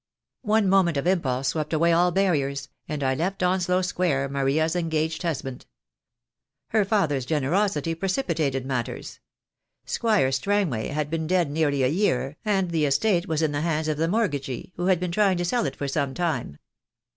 One moment of im pulse swept away all barriers, and I left Onslow Square Maria's engaged husband. Her father's generosity pre cipitated matters. Squire Strangway had been dead nearly a year, and the estate was in the hands of the mortgagee, who had been trying to sell it for some time.